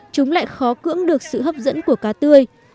chúng lại khó cưỡng được sự hấp dẫn của cá tươi